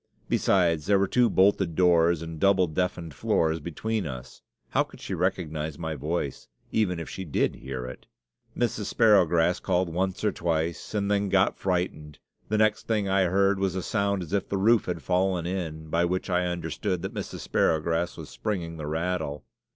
Besides, there were two bolted doors and double deafened floors between us; how could she recognize my voice, even if she did hear it? Mrs. Sparrowgrass called once or twice and then got frightened; the next thing I heard was a sound as if the roof had fallen in, by which I understood that Mrs. Sparrowgrass was springing the rattle!